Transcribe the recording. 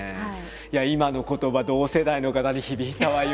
いや今の言葉同世代の方に響いたわよ！